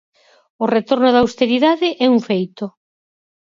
O retorno da austeridade é un feito.